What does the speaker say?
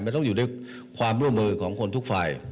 มันต้องอยู่ด้วยความร่วมมือของคนทุกฝ่าย